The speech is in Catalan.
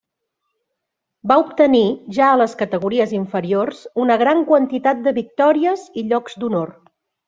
Va obtenir, ja a les categories inferiors, una gran quantitat de victòries i llocs d'honor.